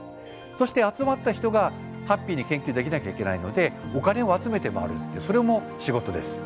そして集まった人がハッピーに研究できなきゃいけないのでお金を集めて回るってそれも仕事です。